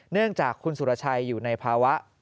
เนื่องจากคุณสุรชัยอยู่ในภาวะ